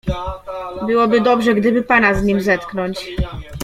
"Byłoby dobrze, gdyby pana z nim zetknąć."